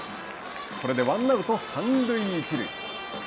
これでワンアウト、三塁一塁。